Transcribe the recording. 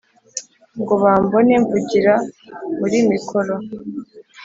ngo bambone mvugira muri mikoro